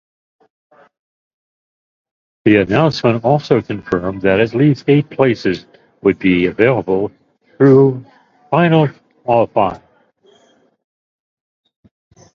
The announcement also confirmed that least eight places would be available through final qualifying.